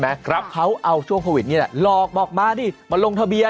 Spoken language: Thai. เพราะแค่โลดล้อนเบี้ย